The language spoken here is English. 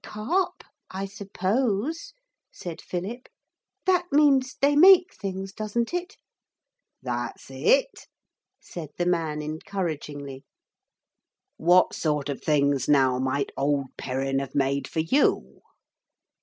'Carp, I suppose,' said Philip. 'That means they make things, doesn't it?' 'That's it,' said the man encouragingly; 'what sort of things now might old Perrin have made for you?'